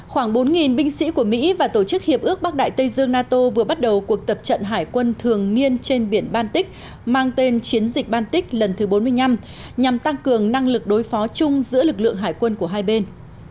khoảng bốn binh sĩ của mỹ và tổ chức hiệp ước bắc đại tây dương nato vừa bắt đầu cuộc tập trận hải quân thường niên trên biển baltic mang tên chiến dịch baltic lần thứ bốn mươi năm nhằm tăng cường năng lực đối phó chung giữa lực lượng hải quân của hai bên